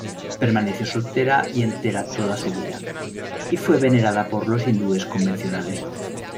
Permaneció soltera y entera toda su vida y fue venerada por los hindúes convencionales.